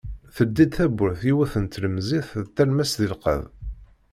Teldi-d tawwurt yiwet n tlemẓit d talemmast di lqedd.